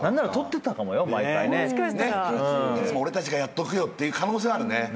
いつも俺たちがやっとくよって可能性はあるね。